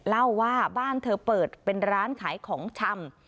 เล่าว่าบ้านเธอเปิดเป็นร้านขายของชำ